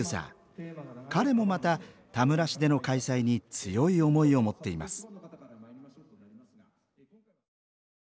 彼もまた田村市での開催に強い思いを持っています